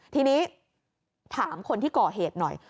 ทีนี้ถามคนที่ก่อเหตุหน่อย